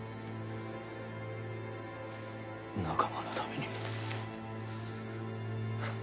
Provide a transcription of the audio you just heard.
仲間のためにも。